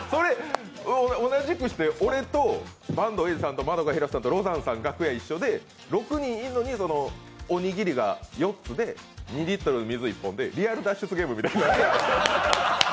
俺と板東英二さんと円広志さんとロザンさんが楽屋一緒で６人いるのに、おにぎりが４つで２リットルの水１本で「リアル脱出ゲーム」みたい。